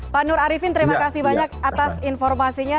pak nur arifin terima kasih banyak atas informasinya